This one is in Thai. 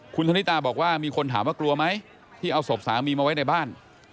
คุณธนิตาบอกว่ามีคนถามว่ากลัวไหมที่เอาศพสามีมาไว้ในบ้าน